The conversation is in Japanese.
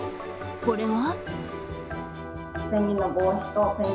これは？